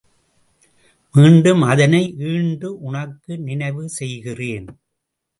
மீண்டும் அதனை ஈண்டு உனக்கு நினைவு செய்கிறேன்.